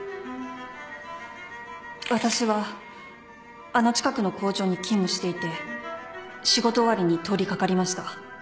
私はあの近くの工場に勤務していて仕事終わりに通り掛かりました。